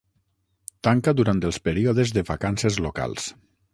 Tanca durant els períodes de vacances locals.